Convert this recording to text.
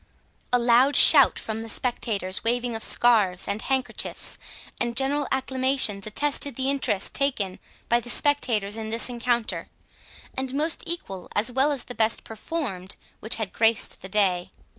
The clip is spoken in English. A loud shout from the spectators, waving of scarfs and handkerchiefs, and general acclamations, attested the interest taken by the spectators in this encounter; the most equal, as well as the best performed, which had graced the day.